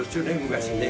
昔ね。